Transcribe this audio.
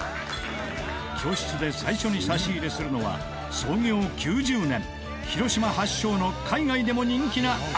教室で最初に差し入れするのは創業９０年広島発祥の海外でも人気なあのスイーツ